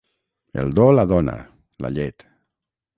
El do la dona, la llet.